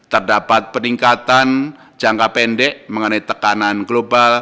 terdapat peningkatan jangka pendek mengenai tekanan global